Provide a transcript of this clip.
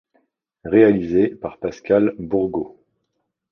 Réalisé par Pascale Bourgaux.